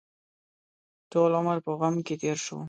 ټول عمر په غم کې تېر شو.